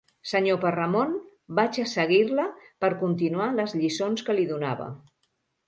Senyor Parramon, vaig a seguir-la per continuar les lliçons que li donava.